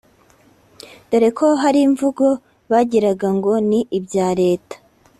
dore ko hari imvugo bagiraga ngo ni ibya Leta